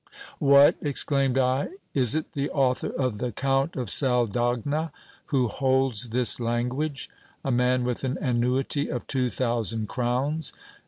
What ! exclaimed I, is it the author of the " Count of Saldagna" who holds this language? A man with an annuity of two thousand crowns?